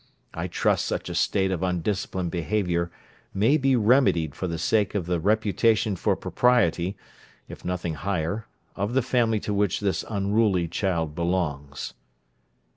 I trust such a state of undisciplined behaviour may be remedied for the sake of the reputation for propriety, if nothing higher, of the family to which this unruly child belongs.